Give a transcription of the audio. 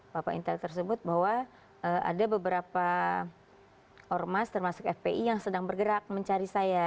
bapak intel tersebut bahwa ada beberapa ormas termasuk fpi yang sedang bergerak mencari saya